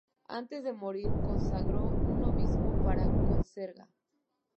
Antes de morir consagró un obispo para Córcega.